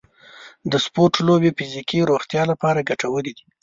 د سپورټ لوبې د فزیکي روغتیا لپاره ګټورې دي.